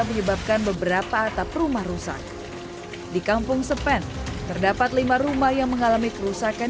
menyebabkan beberapa atap rumah rusak di kampung sepen terdapat lima rumah yang mengalami kerusakan